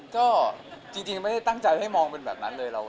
ก็จริงไม่ได้ตั้งใจให้มองเป็นแบบนั้นเลย